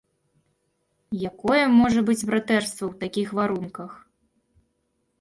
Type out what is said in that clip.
Якое можа быць братэрства ў такіх варунках?!